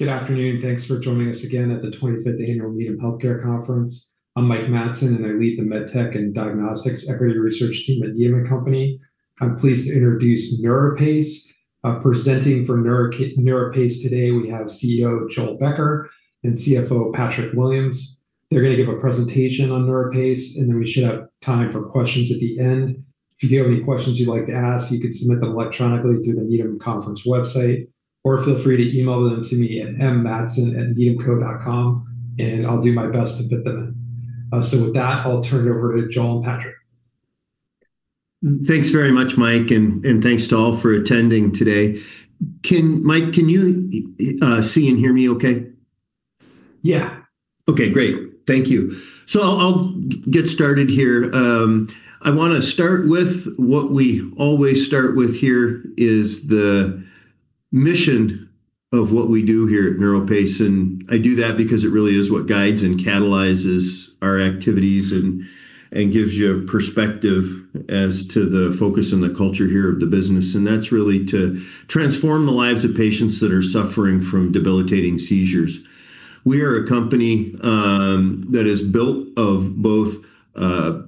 Good afternoon. Thanks for joining us again at the 25th Annual Needham Healthcare Conference. I'm Mike Matson, and I lead the MedTech and Diagnostics Equity Research team at the Needham company. I'm pleased to introduce NeuroPace. Presenting for NeuroPace today, we have CEO Joel Becker and CFO Patrick Williams. They're going to give a presentation on NeuroPace, and then we should have time for questions at the end. If you do have any questions you'd like to ask, you can submit them electronically through the Needham conference website, or feel free to email them to me at mmatson@needhamco.com and I'll do my best to fit them in. With that, I'll turn it over to Joel and Patrick. Thanks very much, Mike, and thanks to all for attending today. Mike, can you see and hear me okay? Yeah. Okay, great. Thank you. I'll get started here. I want to start with what we always start with here is the mission of what we do here at NeuroPace, and I do that because it really is what guides and catalyzes our activities and gives you a perspective as to the focus and the culture here of the business. That's really to transform the lives of patients that are suffering from debilitating seizures. We are a company that is built of both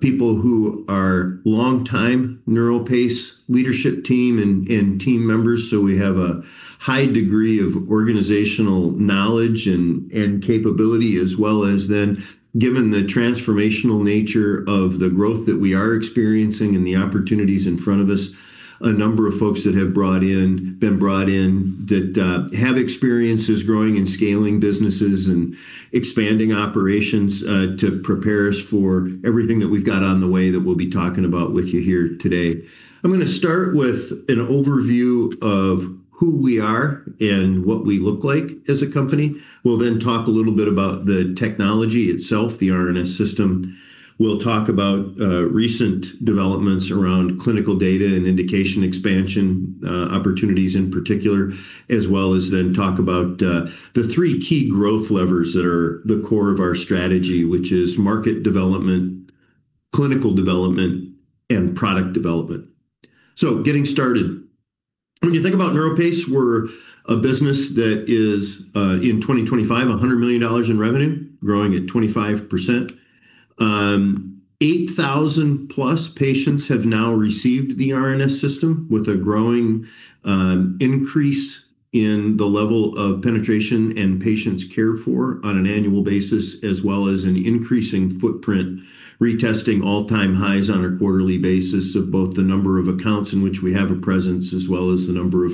people who are longtime NeuroPace leadership team and team members, so we have a high degree of organizational knowledge and capability as well as then, given the transformational nature of the growth that we are experiencing and the opportunities in front of us, a number of folks that have been brought in that have experiences growing and scaling businesses and expanding operations, to prepare us for everything that we've got on the way that we'll be talking about with you here today. I'm going to start with an overview of who we are and what we look like as a company. We'll then talk a little bit about the technology itself, the RNS System. We'll talk about recent developments around clinical data and indication expansion opportunities in particular, as well as then talk about the three key growth levers that are the core of our strategy, which is market development, clinical development, and product development. Getting started. When you think about NeuroPace, we're a business that is, in 2025, $100 million in revenue, growing at 25%. 8,000+ patients have now received the RNS System, with a growing increase in the level of penetration and patients cared for on an annual basis, as well as an increasing footprint, retesting all-time highs on a quarterly basis of both the number of accounts in which we have a presence, as well as the number of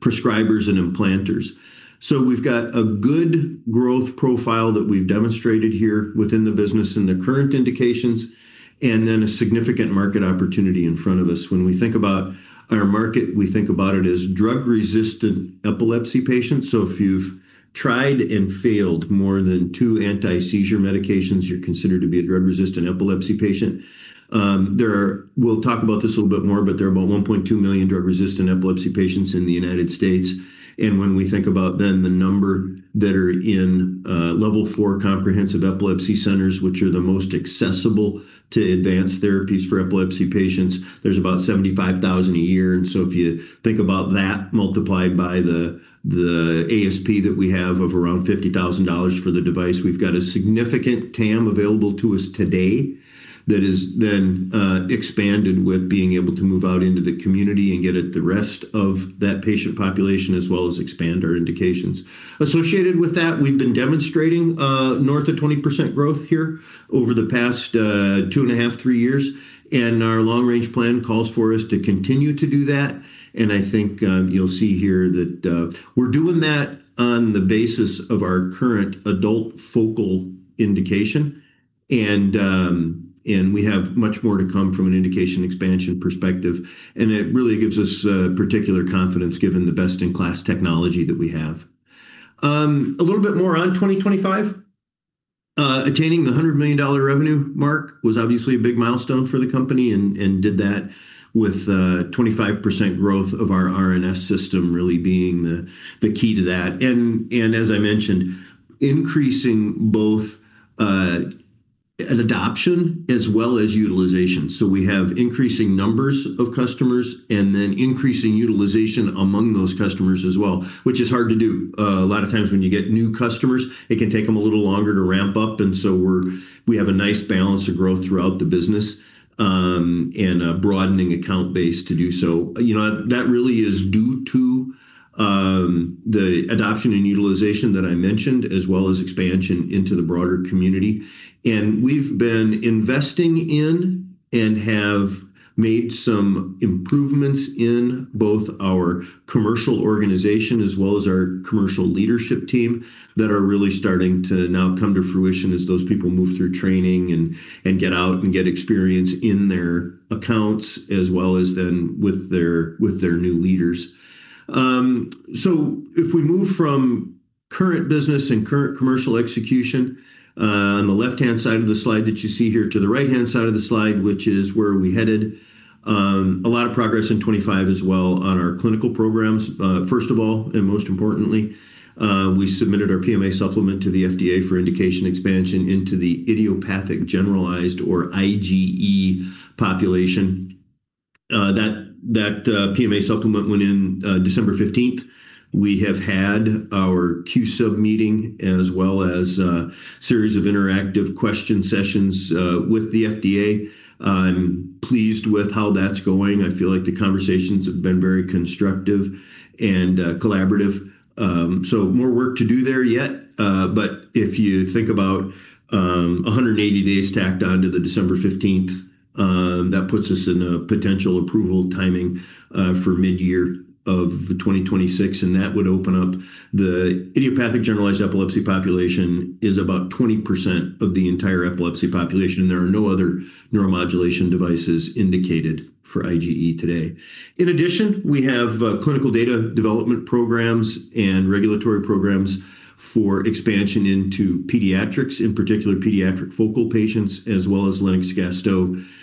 prescribers and implanters. We've got a good growth profile that we've demonstrated here within the business in the current indications, and then a significant market opportunity in front of us. When we think about our market, we think about it as drug-resistant epilepsy patients. If you've tried and failed more than two anti-seizure medications, you're considered to be a drug-resistant epilepsy patient. We'll talk about this a little bit more, but there are about 1.2 million drug-resistant epilepsy patients in the United States. When we think about then the number that are in Level 4 comprehensive epilepsy centers, which are the most accessible to advanced therapies for epilepsy patients, there's about 75,000 a year. If you think about that multiplied by the ASP that we have of around $50,000 for the device, we've got a significant TAM available to us today that is then expanded with being able to move out into the community and get at the rest of that patient population, as well as expand our indications. Associated with that, we've been demonstrating north of 20% growth here over the past two and a half- three years, and our long-range plan calls for us to continue to do that. And I think you'll see here that we're doing that on the basis of our current adult focal indication, and we have much more to come from an indication expansion perspective. And it really gives us particular confidence given the best-in-class technology that we have. A little bit more on 2025. Attaining the $100 million revenue mark was obviously a big milestone for the company and did that with 25% growth of our RNS system really being the key to that. And, as I mentioned, increasing both an adoption as well as utilization. So we have increasing numbers of customers and then increasing utilization among those customers as well, which is hard to do. A lot of times when you get new customers, it can take them a little longer to ramp up, and so we have a nice balance of growth throughout the business and a broadening account base to do so. That really is due to the adoption and utilization that I mentioned, as well as expansion into the broader community. We've been investing in and have made some improvements in both our commercial organization as well as our commercial leadership team that are really starting to now come to fruition as those people move through training and get out and get experience in their accounts as well as then with their new leaders. If we move from current business and current commercial execution on the left-hand side of the slide that you see here to the right-hand side of the slide, which is where are we headed? A lot of progress in 2025 as well on our clinical programs. 1st of all, and most importantly, we submitted our PMA supplement to the FDA for indication expansion into the idiopathic generalized or IGE population. That PMA supplement went in December 15th. We have had our Q-Sub meeting as well as a series of interactive question sessions with the FDA. I'm pleased with how that's going. I feel like the conversations have been very constructive and collaborative. More work to do there yet. If you think about 180 days tacked on to the December 15th, that puts us in a potential approval timing for mid-year of 2026, and that would open up the idiopathic generalized epilepsy population is about 20% of the entire epilepsy population, and there are no other neuromodulation devices indicated for IGE today. In addition, we have clinical data development programs and regulatory programs for expansion into pediatrics, in particular pediatric focal patients, as well as Lennox-Gastaut patients as well.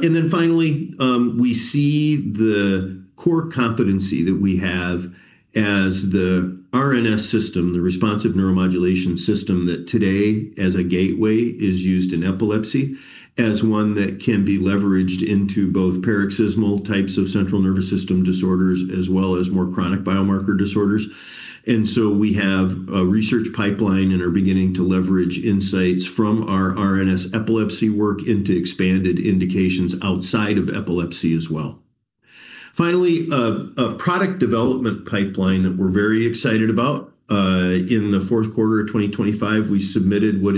And then finally, we see the core competency that we have as the RNS system, the responsive neuromodulation system, that today as a gateway is used in epilepsy as one that can be leveraged into both paroxysmal types of central nervous system disorders, as well as more chronic biomarker disorders. And so we have a research pipeline and are beginning to leverage insights from our RNS epilepsy work into expanded indications outside of epilepsy as well. Finally, a product development pipeline that we're very excited about. In the Q4 of 2025, we submitted what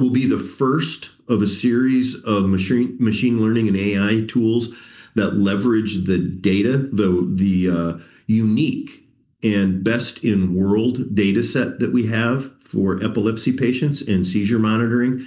will be the first of a series of machine learning and AI tools that leverage the data, the unique and best-in-world data set that we have for epilepsy patients and seizure monitoring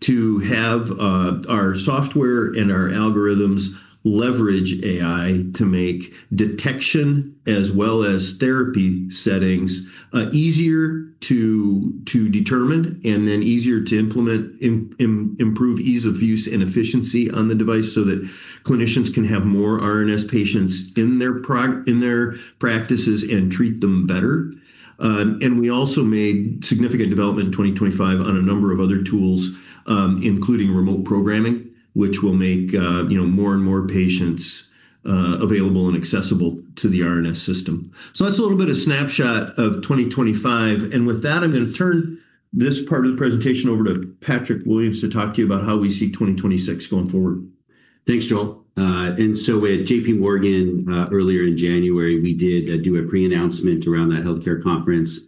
to have our software and our algorithms leverage AI to make detection as well as therapy settings easier to determine and then easier to implement, improve ease of use and efficiency on the device so that clinicians can have more RNS patients in their practices and treat them better. We also made significant development in 2025 on a number of other tools, including remote programming, which will make more and more patients available and accessible to the RNS System. That's a little bit of snapshot of 2025. With that, I'm going to turn this part of the presentation over to Patrick F. Williams to talk to you about how we see 2026 going forward. Thanks, Joel. At JP Morgan earlier in January, we did do a pre-announcement around that healthcare conference.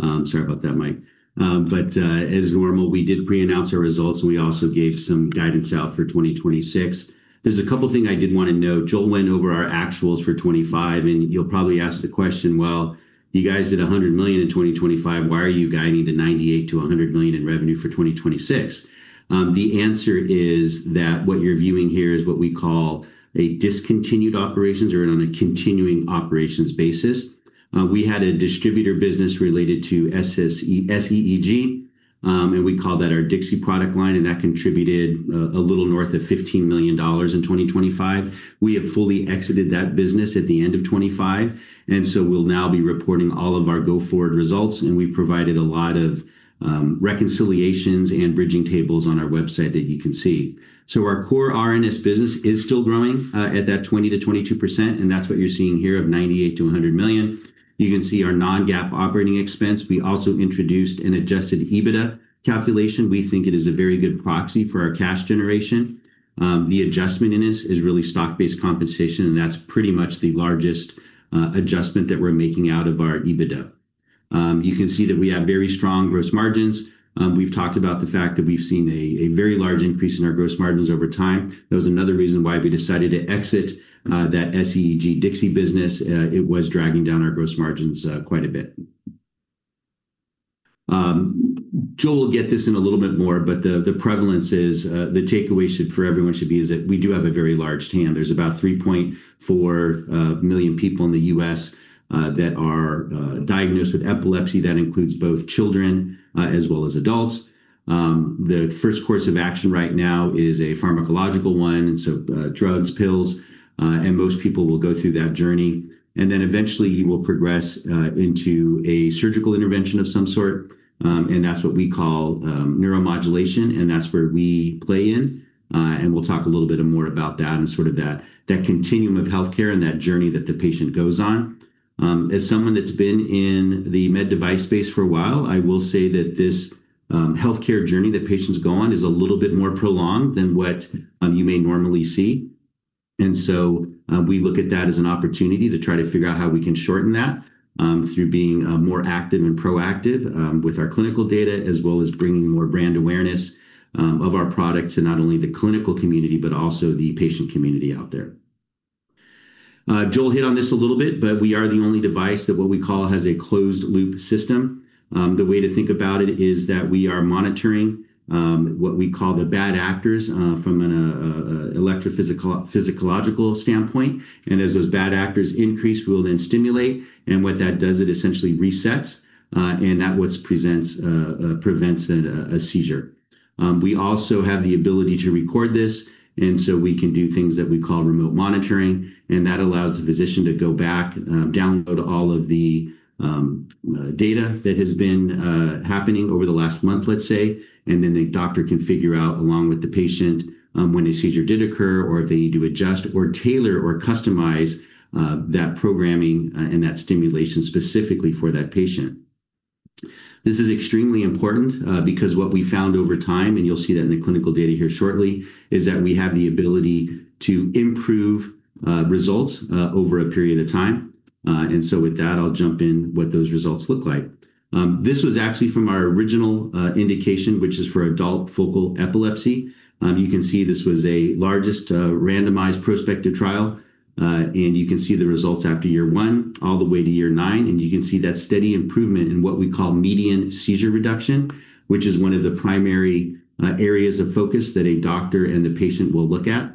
Sorry about that, Mike. As normal, we did pre-announce our results, and we also gave some guidance out for 2026. There's a couple of things I did want to note. Joel went over our actuals for 2025, and you'll probably ask the question, well, you guys did $100 million in 2025. Why are you guiding to $98 million-$100 million in revenue for 2026? The answer is that what you're viewing here is what we call a discontinued operations or on a continuing operations basis. We had a distributor business related to SEEG, and we call that our DIXI product line, and that contributed a little north of $15 million in 2025. We have fully exited that business at the end of 2025. We'll now be reporting all of our go-forward results. We've provided a lot of reconciliations and bridging tables on our website that you can see. Our core RNS business is still growing at that 20%-22%, and that's what you're seeing here of $98 million-$100 million. You can see our non-GAAP operating expense. We also introduced an adjusted EBITDA calculation. We think it is a very good proxy for our cash generation. The adjustment in this is really stock-based compensation, and that's pretty much the largest adjustment that we're making out of our EBITDA. You can see that we have very strong gross margins. We've talked about the fact that we've seen a very large increase in our gross margins over time. That was another reason why we decided to exit that SEEG DIXI business. It was dragging down our gross margins quite a bit. Joel will get into this a little bit more, but the takeaway for everyone should be is that we do have a very large TAM. There's about 3.4 million people in the U.S. that are diagnosed with epilepsy. That includes both children as well as adults. The 1st course of action right now is a pharmacological one. Drugs, pills, and most people will go through that journey. Eventually you will progress into a surgical intervention of some sort. That's what we call neuromodulation, and that's where we play in. We'll talk a little bit more about that and sort of that continuum of healthcare and that journey that the patient goes on. As someone that's been in the med device space for a while, I will say that this healthcare journey that patients go on is a little bit more prolonged than what you may normally see. We look at that as an opportunity to try to figure out how we can shorten that through being more active and proactive with our clinical data, as well as bringing more brand awareness of our product to not only the clinical community, but also the patient community out there. Joel hit on this a little bit, but we are the only device that what we call has a closed-loop system. The way to think about it is that we are monitoring what we call the bad actors from an electrophysiological standpoint. As those bad actors increase, we'll then stimulate. What that does, it essentially resets, and that's what prevents a seizure. We also have the ability to record this, and so we can do things that we call remote monitoring. That allows the physician to go back, download all of the data that has been happening over the last month, let's say, and then the doctor can figure out along with the patient when a seizure did occur or if they need to adjust or tailor or customize that programming and that stimulation specifically for that patient. This is extremely important because what we found over time, and you'll see that in the clinical data here shortly, is that we have the ability to improve results over a period of time. With that, I'll jump in what those results look like. This was actually from our original indication, which is for adult focal epilepsy. You can see this was a largest randomized prospective trial. And you can see the results after year one all the way to year nine, and you can see that steady improvement in what we call median seizure reduction, which is one of the primary areas of focus that a doctor and the patient will look at.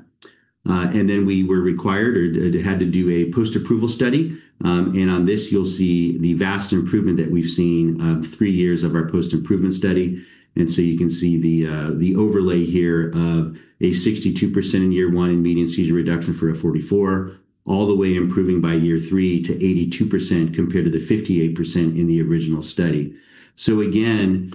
And then we were required, or had to do a post-approval study. And on this, you'll see the vast improvement that we've seen, 3 years of our post-improvement study. And so you can see the overlay here of a 62% in year one in median seizure reduction for F44, all the way improving by year 3 to 82% compared to the 58% in the original study. Again,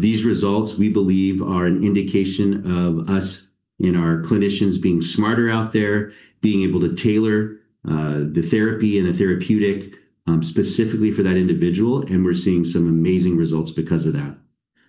these results, we believe, are an indication of us and our clinicians being smarter out there, being able to tailor the therapy and the therapeutic specifically for that individual, and we're seeing some amazing results because of that.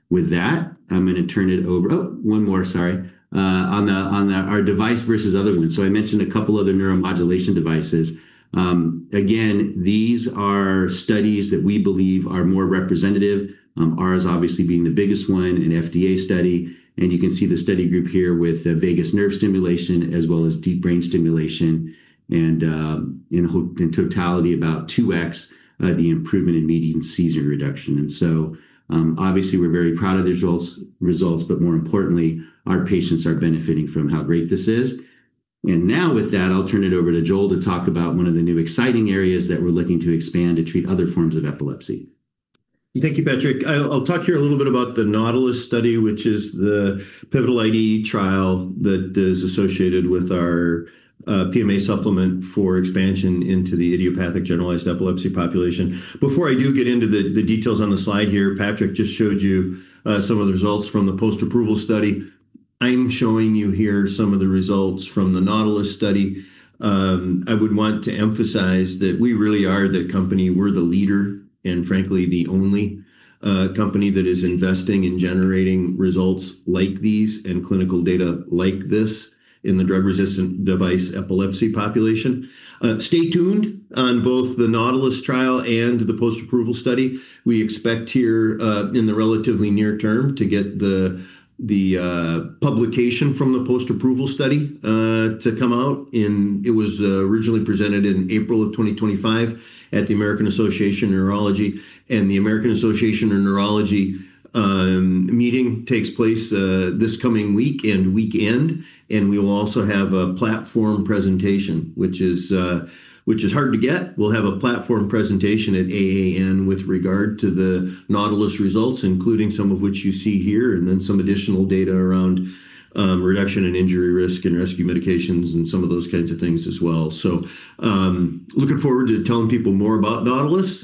With that, I'm going to turn it over. Oh, 1 more, sorry. On our device versus other ones. I mentioned a couple other neuromodulation devices. Again, these are studies that we believe are more representative, ours obviously being the biggest one, an FDA study. You can see the study group here with vagus nerve stimulation as well as deep brain stimulation. In totality, about 2x the improvement in median seizure reduction. Obviously, we're very proud of the results, but more importantly, our patients are benefiting from how great this is. Now with that, I'll turn it over to Joel to talk about one of the new exciting areas that we're looking to expand to treat other forms of epilepsy. Thank you, Patrick. I'll talk here a little bit about the NAUTILUS study, which is the pivotal IDE trial that is associated with our PMA supplement for expansion into the idiopathic generalized epilepsy population. Before I do get into the details on the slide here, Patrick just showed you some of the results from the post-approval study. I'm showing you here some of the results from the NAUTILUS study. I would want to emphasize that we really are the company, we're the leader, and frankly, the only company that is investing in generating results like these and clinical data like this in the drug-resistant device epilepsy population. Stay tuned on both the NAUTILUS trial and the post-approval study. We expect here, in the relatively near term to get the publication from the post-approval study to come out. It was originally presented in April of 2025 at the American Academy of Neurology. The American Academy of Neurology meeting takes place this coming week and weekend. We will also have a platform presentation, which is hard to get. We'll have a platform presentation at AAN with regard to the NAUTILUS results, including some of which you see here, and then some additional data around reduction in injury risk and rescue medications and some of those kinds of things as well. Looking forward to telling people more about NAUTILUS.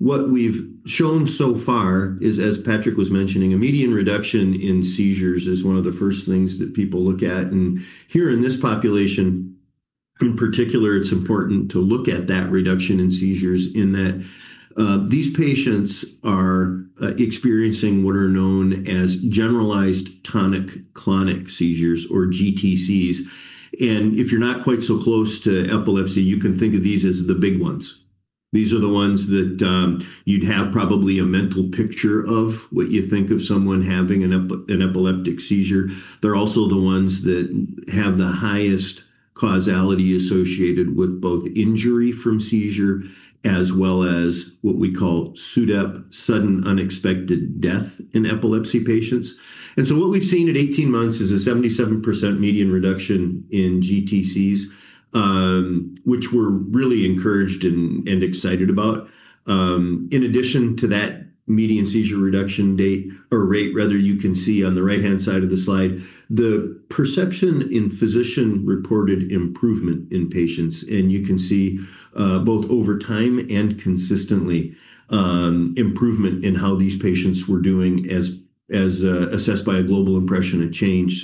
What we've shown so far is, as Patrick was mentioning, a median reduction in seizures is one of the 1st things that people look at. Here in this population, in particular, it's important to look at that reduction in seizures in that these patients are experiencing what are known as generalized tonic-clonic seizures, or GTCs. If you're not quite so close to epilepsy, you can think of these as the big ones. These are the ones that you'd have probably a mental picture of what you think of someone having an epileptic seizure. They're also the ones that have the highest causality associated with both injury from seizure as well as what we call SUDEP, sudden unexpected death in epilepsy patients. What we've seen at 18 months is a 77% median reduction in GTCs, which we're really encouraged and excited about. In addition to that median seizure reduction date, or rate rather, you can see on the right-hand side of the slide, the perception in physician-reported improvement in patients, and you can see, both over time and consistently, improvement in how these patients were doing as assessed by a Global Impression of Change.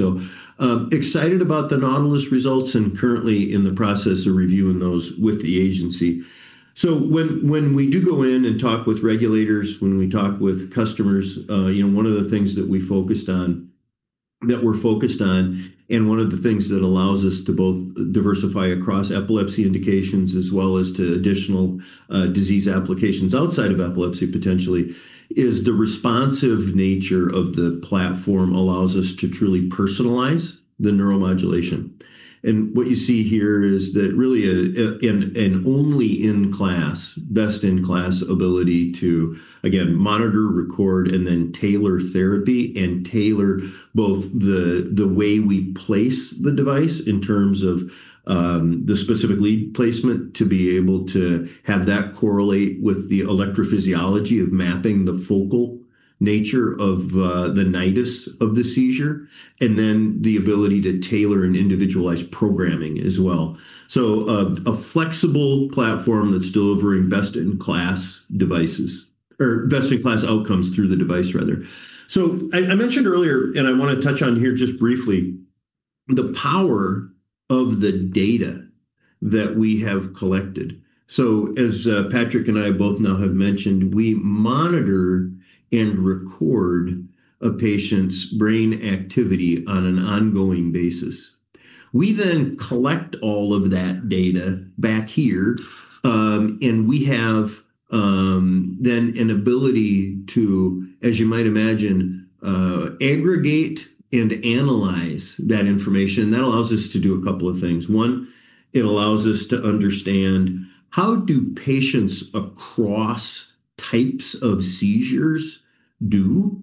Excited about the NAUTILUS results and currently in the process of reviewing those with the agency. When we do go in and talk with regulators, when we talk with customers, one of the things that we're focused on, and one of the things that allows us to both diversify across epilepsy indications as well as to additional disease applications outside of epilepsy, potentially, is the responsive nature of the platform allows us to truly personalize the neuromodulation. What you see here is that really, and only in class, best-in-class ability to, again, monitor, record, and then tailor therapy and tailor both the way we place the device in terms of the specific lead placement, to be able to have that correlate with the electrophysiology of mapping the focal nature of the nidus of the seizure, and then the ability to tailor and individualize programming as well. A flexible platform that's delivering best-in-class devices, or best-in-class outcomes through the device rather. I mentioned earlier, and I want to touch on here just briefly the power of the data that we have collected. As Patrick and I both now have mentioned, we monitor and record a patient's brain activity on an ongoing basis. We then collect all of that data back here. We have then an ability to, as you might imagine, aggregate and analyze that information. That allows us to do a couple of things. 1, it allows us to understand how do patients across types of seizures do,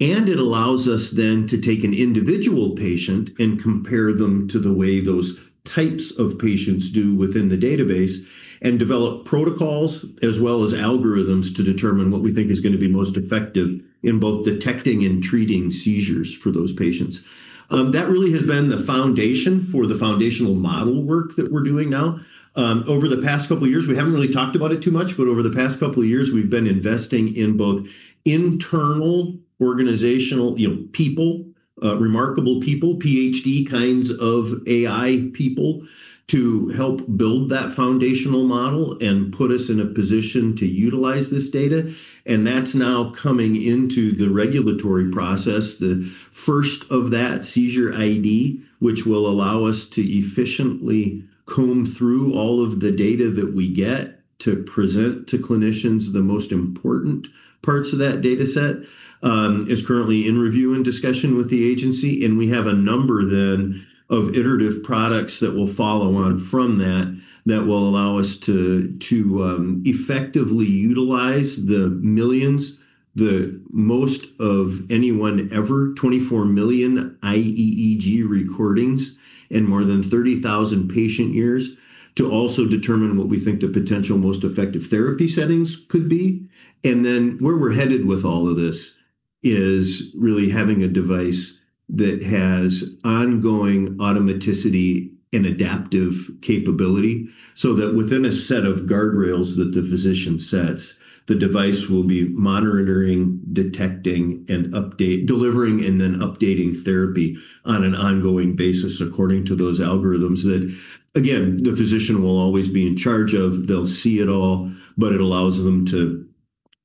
and it allows us then to take an individual patient and compare them to the way those types of patients do within the database and develop protocols as well as algorithms to determine what we think is going to be most effective in both detecting and treating seizures for those patients. That really has been the foundation for the foundation model work that we're doing now. Over the past couple of years, we haven't really talked about it too much, but over the past couple of years, we've been investing in both internal organizational people, remarkable people, PhD kinds of AI people, to help build that foundation model and put us in a position to utilize this data. That's now coming into the regulatory process. The 1st of that seizure ID, which will allow us to efficiently comb through all of the data that we get, to present to clinicians the most important parts of that data set, is currently in review and discussion with the agency. We have a number then of iterative products that will follow on from that will allow us to effectively utilize the millions, the most of anyone ever, 24 million iEEG recordings and more than 30,000 patient years to also determine what we think the potential most effective therapy settings could be. Where we're headed with all of this is really having a device that has ongoing automaticity and adaptive capability, so that within a set of guardrails that the physician sets, the device will be monitoring, detecting, and delivering, and then updating therapy on an ongoing basis according to those algorithms that, again, the physician will always be in charge of. They'll see it all, but it allows them to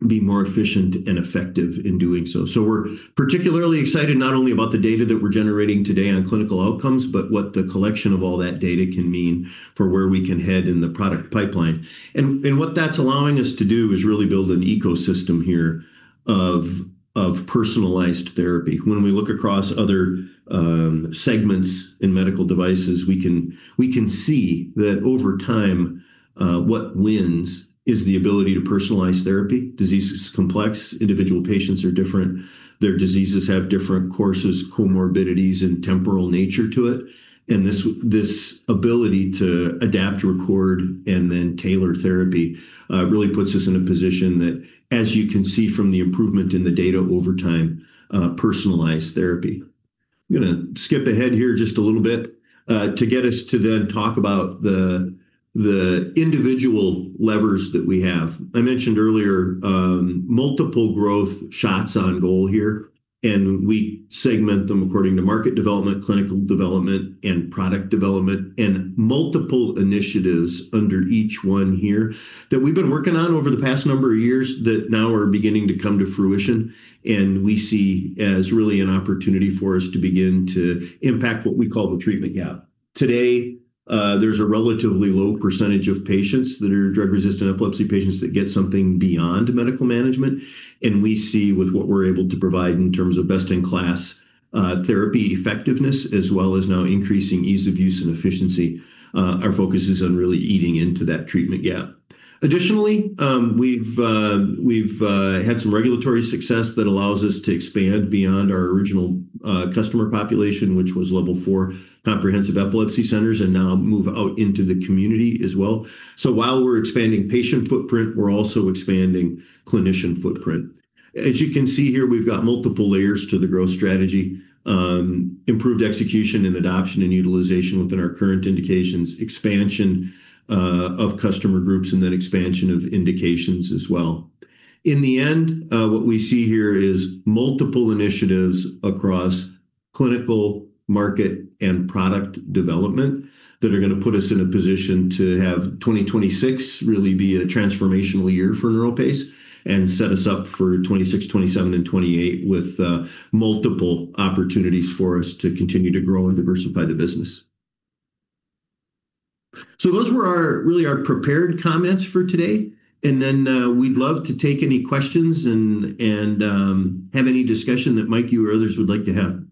be more efficient and effective in doing so. We're particularly excited not only about the data that we're generating today on clinical outcomes, but what the collection of all that data can mean for where we can head in the product pipeline. What that's allowing us to do is really build an ecosystem here of personalized therapy. When we look across other segments in medical devices, we can see that over time, what wins is the ability to personalize therapy. Disease is complex. Individual patients are different. Their diseases have different courses, comorbidities, and temporal nature to it. This ability to adapt, record, and then tailor therapy, really puts us in a position that, as you can see from the improvement in the data over time, personalized therapy. I'm going to skip ahead here just a little bit, to get us to then talk about the individual levers that we have. I mentioned earlier, multiple growth shots on goal here, and we segment them according to market development, clinical development, and product development, and multiple initiatives under each one here that we've been working on over the past number of years that now are beginning to come to fruition. We see as really an opportunity for us to begin to impact what we call the treatment gap. Today, there's a relatively low percentage of patients that are drug-resistant epilepsy patients that get something beyond medical management. We see with what we're able to provide in terms of best-in-class therapy effectiveness, as well as now increasing ease of use and efficiency, our focus is on really eating into that treatment gap. Additionally, we've had some regulatory success that allows us to expand beyond our original customer population, which was Level 4 comprehensive epilepsy centers, and now move out into the community as well. While we're expanding patient footprint, we're also expanding clinician footprint. As you can see here, we've got multiple layers to the growth strategy, improved execution and adoption and utilization within our current indications, expansion of customer groups, and then expansion of indications as well. In the end, what we see here is multiple initiatives across clinical, market, and product development that are going to put us in a position to have 2026 really be a transformational year for NeuroPace and set us up for 2026, 2027, and 2028 with multiple opportunities for us to continue to grow and diversify the business. Those were really our prepared comments for today. We'd love to take any questions and have any discussion that Mike, you or others would like to have.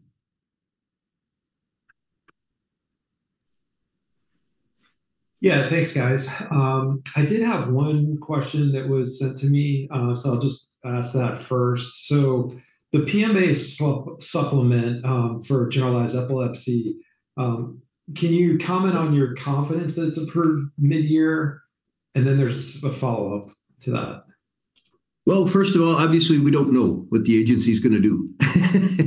Yeah. Thanks, guys. I did have 1 question that was sent to me. I'll just ask that first. The PMA supplement for generalized epilepsy, can you comment on your confidence that it's approved midyear? There's a follow-up to that. Well, first of all, obviously, we don't know what the agency's going to do.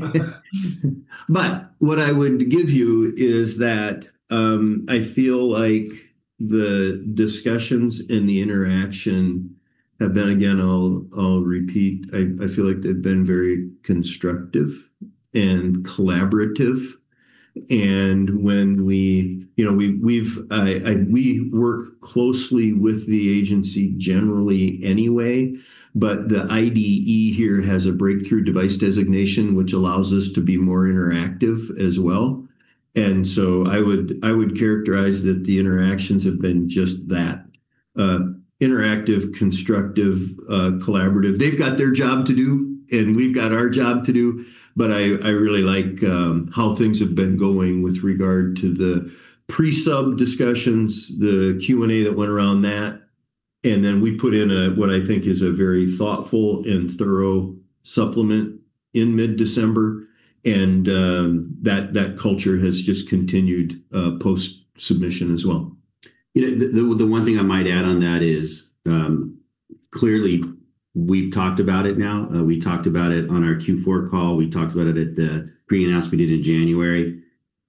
Okay. What I would give you is that I feel like the discussions and the interaction have been, again, I'll repeat, I feel like they've been very constructive and collaborative. We work closely with the agency generally anyway, but the IDE here has a breakthrough device designation, which allows us to be more interactive as well. I would characterize that the interactions have been just that, interactive, constructive, collaborative. They've got their job to do and we've got our job to do, but I really like how things have been going with regard to the pre-sub discussions, the Q&A that went around that. We put in a, what I think is a very thoughtful and thorough supplement in mid-December, and that culture has just continued post-submission as well. The one thing I might add on that is, clearly we've talked about it now, we talked about it on our Q4 call, we talked about it at the pre-announce we did in January,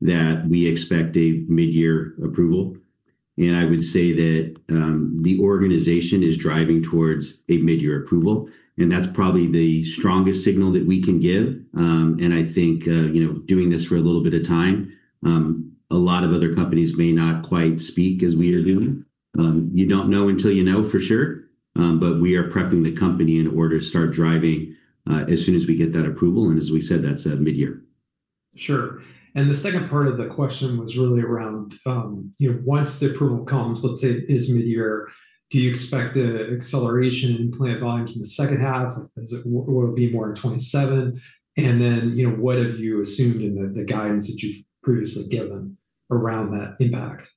that we expect a mid-year approval. I would say that the organization is driving towards a mid-year approval, and that's probably the strongest signal that we can give. I think, doing this for a little bit of time, a lot of other companies may not quite speak as we are doing. You don't know until you know for sure. We are prepping the company in order to start driving, as soon as we get that approval, and as we said, that's mid-year. Sure. The 2nd part of the question was really around, once the approval comes, let's say it is mid-year, do you expect an acceleration in implant volumes in the H2? Will it be more in 2027? What have you assumed in the guidance that you've previously given around that impact?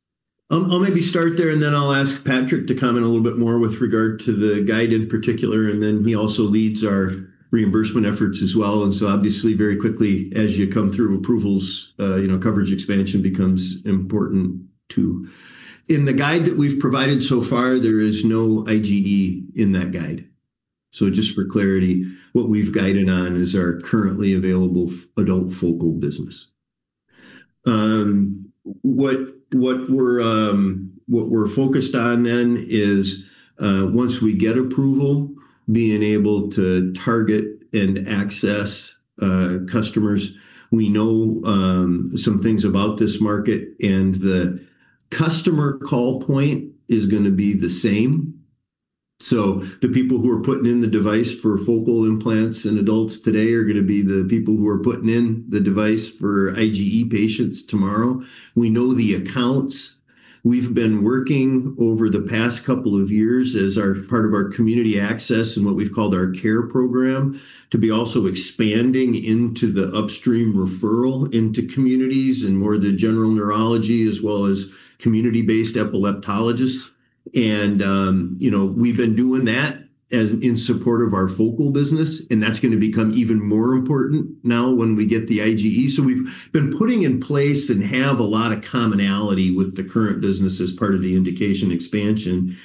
I'll maybe start there, and then I'll ask Patrick to comment a little bit more with regard to the guide in particular, and then he also leads our reimbursement efforts as well. Obviously very quickly as you come through approvals, coverage expansion becomes important too. In the guide that we've provided so far, there is no IGE in that guide. Just for clarity, what we've guided on is our currently available adult focal business. What we're focused on then is, once we get approval, being able to target and access customers. We know some things about this market, and the customer call point is going to be the same. The people who are putting in the device for focal implants in adults today are going to be the people who are putting in the device for IGE patients tomorrow. We know the accounts. We've been working over the past couple of years as part of our community access and what we've called our care program, to be also expanding into the upstream referral into communities and more the general neurology as well as community-based epileptologists. We've been doing that in support of our focal business, and that's going to become even more important now when we get the IGE. We've been putting in place and have a lot of commonality with the current business as part of the indication expansion.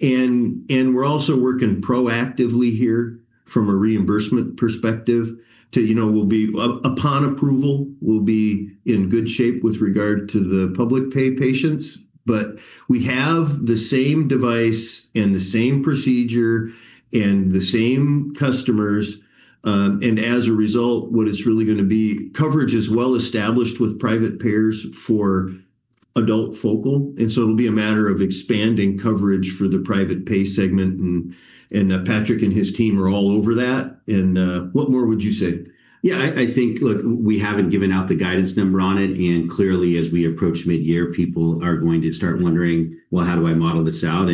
We're also working proactively here from a reimbursement perspective to, upon approval, we'll be in good shape with regard to the public pay patients. We have the same device and the same procedure and the same customers. As a result, coverage is well established with private payers for adult focal, and so it'll be a matter of expanding coverage for the private pay segment, and Patrick and his team are all over that. What more would you say? Yeah, I think, look, we haven't given out the guidance number on it, and clearly as we approach midyear, people are going to start wondering, "Well, how do I model this out?"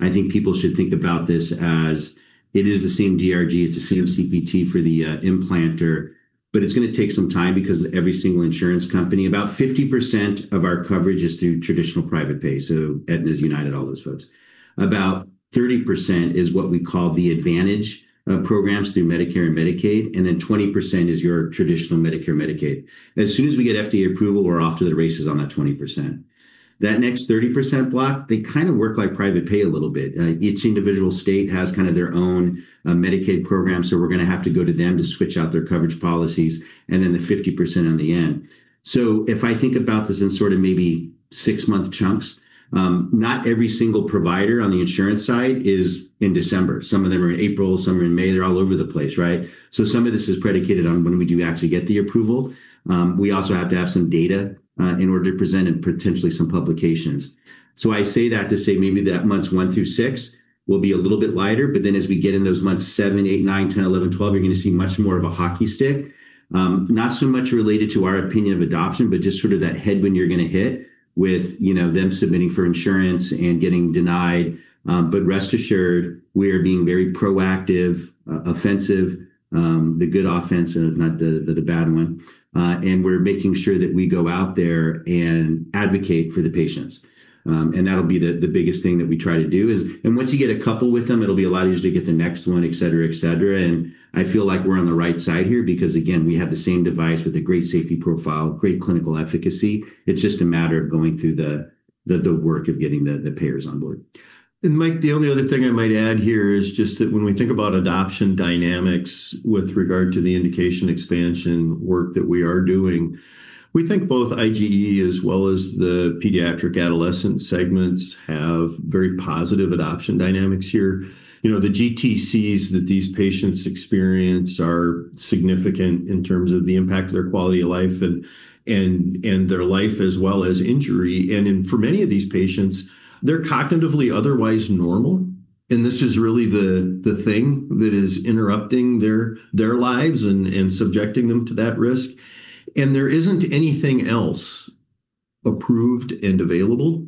I think people should think about this as it is the same DRG. It's the same CPT for the implanter. It's going to take some time because every single insurance company, about 50% of our coverage is through traditional private pay, so Aetna's, UnitedHealthcare, all those folks. About 30% is what we call the Advantage programs through Medicare and Medicaid, and then 20% is your traditional Medicare, Medicaid. As soon as we get FDA approval, we're off to the races on that 20%. That next 30% block, they kind of work like private pay a little bit. Each individual state has their own Medicaid program, so we're going to have to go to them to switch out their coverage policies, and then the 50% on the end. If I think about this in sort of maybe six-month chunks, not every single provider on the insurance side is in December. Some of them are in April, some are in May. They're all over the place, right? Some of this is predicated on when we do actually get the approval. We also have to have some data in order to present in potentially some publications. I say that to say maybe that months one through six will be a little bit lighter, but then as we get in those months seven, eight, nine, 10, 11, 12, you're going to see much more of a hockey stick. Not so much related to our opinion of adoption, but just sort of that headwind you're going to hit with them submitting for insurance and getting denied. Rest assured, we are being very proactive, offensive, the good offense and not the bad one. We're making sure that we go out there and advocate for the patients. Once you get a couple with them, it'll be a lot easier to get the next one, et cetera. I feel like we're on the right side here because, again, we have the same device with a great safety profile, great clinical efficacy. The work of getting the payers on board. Mike, the only other thing I might add here is just that when we think about adoption dynamics with regard to the indication expansion work that we are doing, we think both IGE as well as the pediatric adolescent segments have very positive adoption dynamics here. The GTCs that these patients experience are significant in terms of the impact of their quality of life and their life as well as injury. For many of these patients, they're cognitively otherwise normal, and this is really the thing that is interrupting their lives and subjecting them to that risk. There isn't anything else approved and available.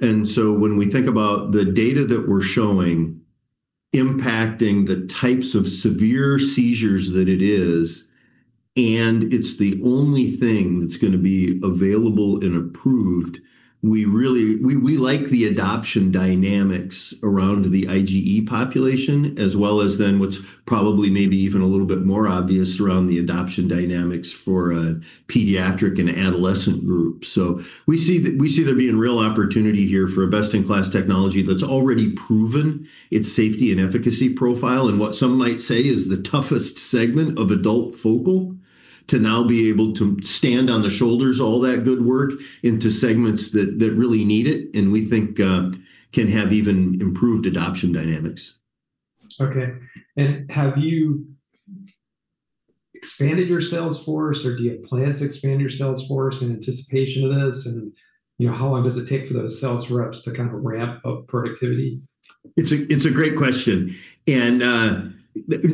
When we think about the data that we're showing impacting the types of severe seizures that it is, and it's the only thing that's going to be available and approved, we like the adoption dynamics around the IGE population as well as then what's probably maybe even a little bit more obvious around the adoption dynamics for a pediatric and adolescent group. We see there being real opportunity here for a best-in-class technology that's already proven its safety and efficacy profile in what some might say is the toughest segment of adult focal to now be able to stand on the shoulders, all that good work, into segments that really need it, and we think can have even improved adoption dynamics. Okay. Have you expanded your sales force or do you have plans to expand your sales force in anticipation of this? How long does it take for those sales reps to kind of ramp up productivity? It's a great question, and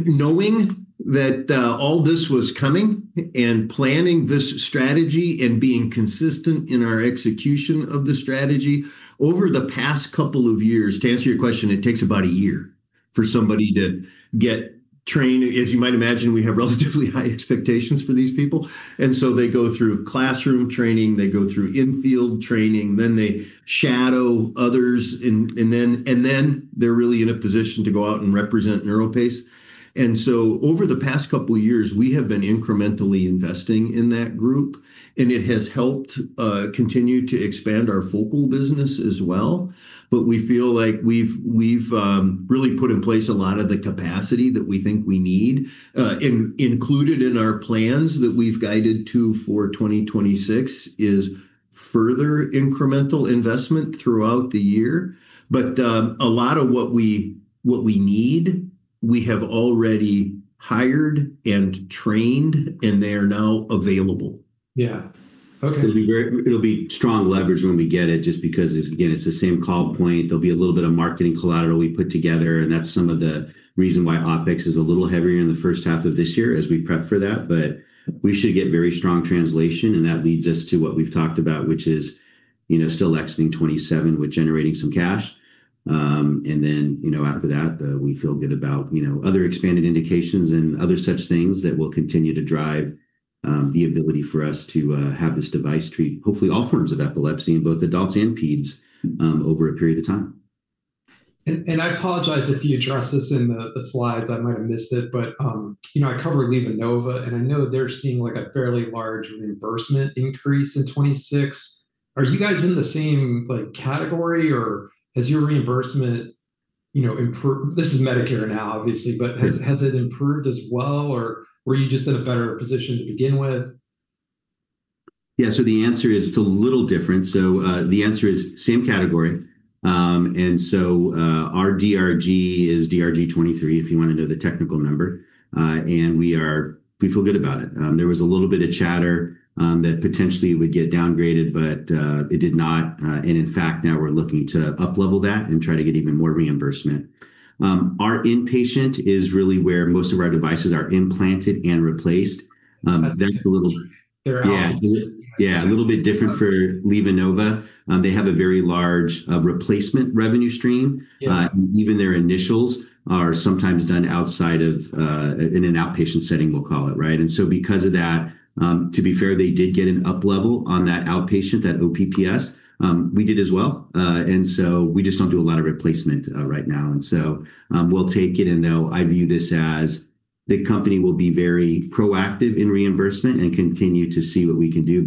knowing that all this was coming and planning this strategy and being consistent in our execution of the strategy over the past couple of years, to answer your question, it takes about a year for somebody to get trained. As you might imagine, we have relatively high expectations for these people, and so they go through classroom training, they go through in-field training, then they shadow others, and then they're really in a position to go out and represent NeuroPace. Over the past couple of years, we have been incrementally investing in that group, and it has helped continue to expand our focal business as well. We feel like we've really put in place a lot of the capacity that we think we need. Included in our plans that we've guided to for 2026 is further incremental investment throughout the year. A lot of what we need, we have already hired and trained, and they are now available. Yeah. Okay. It'll be strong leverage when we get it, just because, again, it's the same call point. There'll be a little bit of marketing collateral we put together, and that's some of the reason why OpEx is a little heavier in the H of this year as we prep for that. We should get very strong translation, and that leads us to what we've talked about, which is still exiting 2027 with generating some cash. After that, we feel good about other expanded indications and other such things that will continue to drive the ability for us to have this device treat hopefully all forms of epilepsy in both adults and pedes over a period of time. I apologize if you addressed this in the slides. I might have missed it, but I cover LivaNova, and I know they're seeing a fairly large reimbursement increase in 2026. Are you guys in the same category, or has your reimbursement improved? This is Medicare now, obviously, but has it improved as well, or were you just in a better position to begin with? Yeah, the answer is it's a little different. The answer is same category. Our DRG is DRG 23, if you want to know the technical number. We feel good about it. There was a little bit of chatter that potentially it would get downgraded, but it did not. In fact, now we're looking to uplevel that and try to get even more reimbursement. Our inpatient is really where most of our devices are implanted and replaced. That's a little. Yeah, a little bit different for LivaNova. They have a very large replacement revenue stream. Yeah. Even their initials are sometimes done in an outpatient setting, we'll call it. Because of that, to be fair, they did get an uplevel on that outpatient, that OPPS. We did as well. We just don't do a lot of replacement right now. We'll take it, and I view this as the company will be very proactive in reimbursement and continue to see what we can do.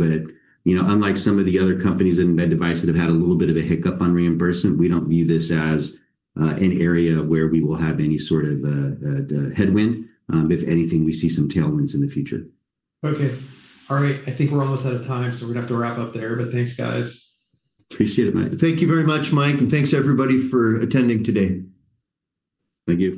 Unlike some of the other companies in med device that have had a little bit of a hiccup on reimbursement, we don't view this as an area where we will have any sort of headwind. If anything, we see some tailwinds in the future. Okay. All right. I think we're almost out of time, so we're going to have to wrap up there, but thanks, guys. Appreciate it, Mike. Thank you very much, Mike, and thanks everybody for attending today. Thank you.